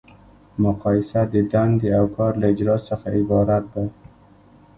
مقایسه د دندې او کار له اجرا څخه عبارت ده.